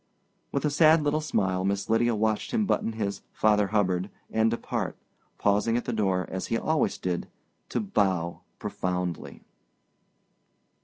With a sad little smile Miss Lydia watched him button his "Father Hubbard" and depart, pausing at the door, as he always did, to bow profoundly.